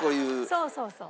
そうそうそう。